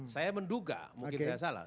saya menduga mungkin saya salah